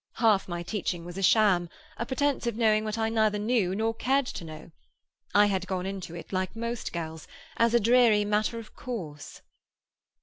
Half my teaching was a sham—a pretence of knowing what I neither knew nor cared to know. I had gone into it like most girls, as a dreary matter of course."